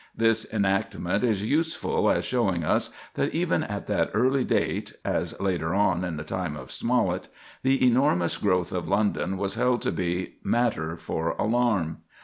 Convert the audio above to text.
This enactment is useful as showing us that even at that early date,—as later on, in the time of Smollett,—the enormous growth of London was held to be matter for alarm.